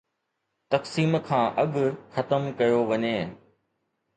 تقسيم کان اڳ ختم ڪيو وڃي.